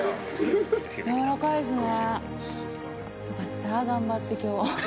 やわらかいですね。